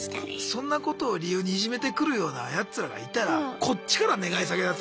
そんなことを理由にいじめてくるようなやつらがいたらこっちから願い下げだと。